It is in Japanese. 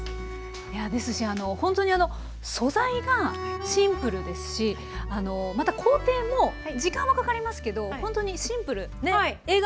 いやですしほんとにあの素材がシンプルですしまた工程も時間はかかりますけどほんとにシンプルねっ。